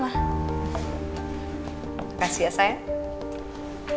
makasih ya sayang